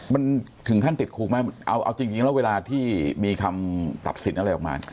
มันถึงขั้นติดคุกไหมเอาจริงแล้วเวลาที่มีคำตัดสินอะไรออกมา